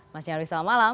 mas nyarwi selamat malam